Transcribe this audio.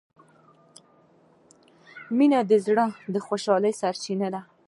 مینه د زړه د خوشحالۍ سرچینه ده.